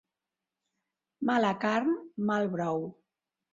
Mala carn, mal brou.